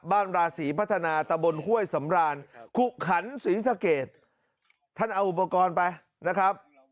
ราศีพัฒนาตะบนห้วยสำรานขุขันศรีสะเกดท่านเอาอุปกรณ์ไปนะครับ